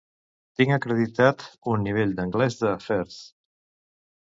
Tinc acreditat un nivell d'anglès de First.